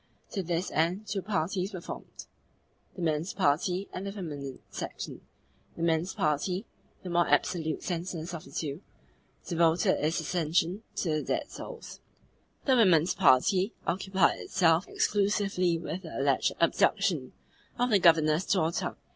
To this end two parties were formed the men's party and the feminine section. The men's party the more absolutely senseless of the two devoted its attention to the dead souls: the women's party occupied itself exclusively with the alleged abduction of the Governor's daughter.